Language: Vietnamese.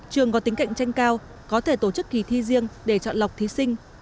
trường có tính cạnh tranh cao có thể tổ chức kỳ thi riêng để chọn lọc thí sinh